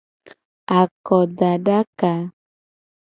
Akodadaka.